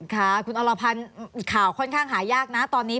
ค่ะคุณอรพันธ์ข่าวค่อนข้างหายากนะตอนนี้